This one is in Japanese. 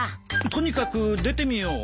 とにかく出てみよう。